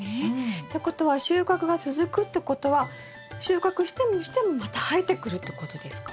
ってことは収穫が続くってことは収穫してもしてもまた生えてくるってことですか？